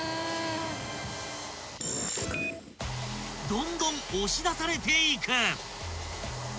［どんどん押し出されていく］